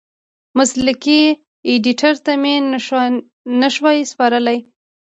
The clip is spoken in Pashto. مسلکي ایډېټر ته مې نشوای سپارلی.